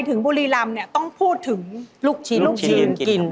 ไปถึงบุรีรำเนี่ยต้องพูดถึงลูกชิ้นยืนกินด้วยนะ